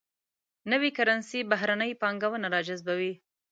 نوي کرنسي بهرنۍ پانګونه راجذبوي.